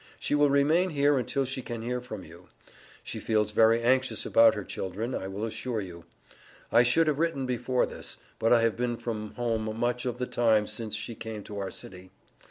She will remain here until she can hear from you. She feels very anxious about her children, I will assure you. I should have written before this, but I have been from home much of the time since she came to our city.